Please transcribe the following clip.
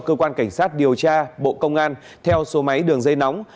cơ quan cảnh sát điều tra bộ công an theo số máy đường dây nóng